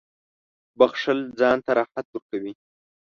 • بښل ځان ته راحت ورکوي.